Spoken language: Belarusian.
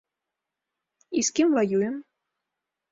І з кім ваюем?